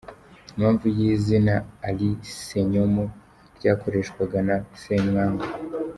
Impamvu y’izina ’Ali Ssenyomo’ ryakoreshwaga na Ssemwanga.